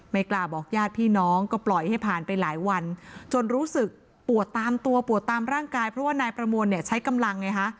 ไม่กล้าบอกญาติพี่น้องก็ปล่อยให้ผ่านไปหลายวันจนรู้สึกปวดตามตัวปวดตามร่างกายเพราะว่านายประมวลเนี่ยใช้กำลังไงฮะ